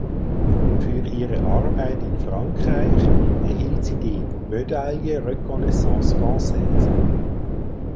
Für ihre Arbeit in Frankreich erhielt sie die Medaille Reconnaissance Francaise.